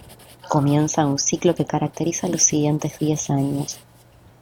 Comienza un ciclo que caracteriza los siguientes diez años.